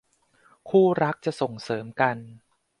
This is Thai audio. คู่รักจะส่งเสริมกัน